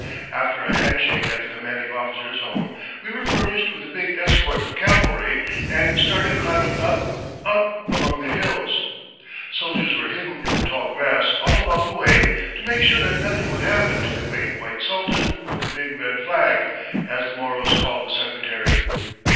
After a hand shake at the commanding officer's home, we were furnished with a big escort of cavalry and started climbing up, up, among the hills. Soldiers were hidden in the tall grass all along the way to make sure that nothing would happen to "the great White Sultan with the big Red Flag," as the Moros called the Secretary.